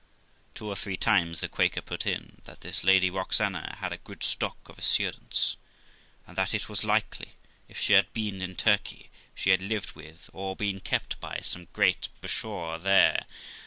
Two or three times the Quaker put in, that this Lady Roxana had a good stock of assurance; and that it was likely, if she had been in Turkey, she had lived with, or been kept by, some great bashaw there.